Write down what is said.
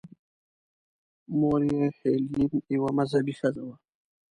مور یې هیلین یوه مذهبي ښځه وه.